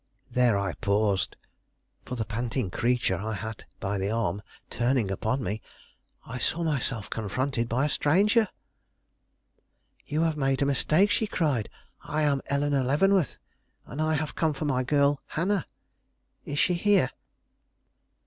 There I paused, for, the panting creature I had by the arm turning upon me, I saw myself confronted by a stranger. "You have made a mistake," she cried. "I am Eleanore Leavenworth, and I have come for my girl Hannah. Is she here?"